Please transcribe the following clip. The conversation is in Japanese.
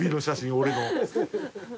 俺の。